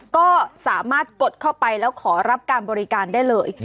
ก็สามารถกดเข้าไปแล้วขอรับการบริการได้เลย